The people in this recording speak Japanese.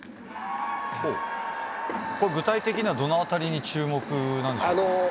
具体的には、どの辺りに注目なんでしょう？